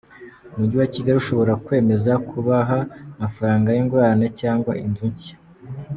Umujyi wa Kigali ushobora kwemeza kubaha amafaranga y’ingurane cyangwa inzu nshya.